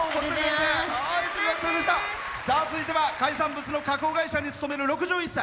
続いては海産物の加工会社に勤める６１歳。